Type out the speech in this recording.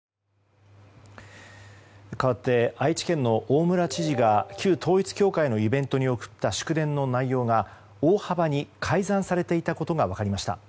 かわって愛知県の大村知事が旧統一教会のイベントに送った祝電の内容が大幅に改ざんされていたことが分かりました。